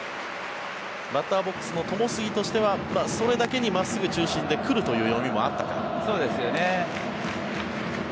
バッターボックスの友杉としてはそれだけに真っすぐ中心で来るという読みもあったか。